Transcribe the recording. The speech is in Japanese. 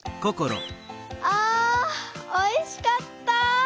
あおいしかった。